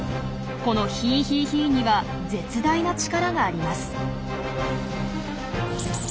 この「ヒーヒーヒー」には絶大な力があります。